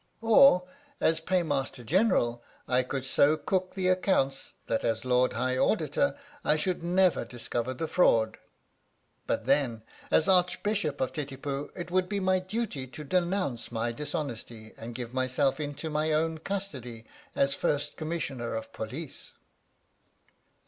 Or as Paymaster General I could so cook the accounts that as Lord High Auditor I should never discover the fraud. But then as Arch bishop of Titipu it would be my duty to denounce my dishonesty and give myself into my own custody as First Commissioner of Police."